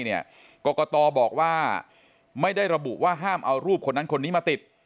กรกตบอกว่าไม่ได้ระบุว่าห้ามเอารูปคนนั้นคนนี้มาติด